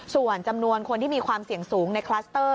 ส่วนจำนวนคนที่มีความเสี่ยงสูงในคลัสเตอร์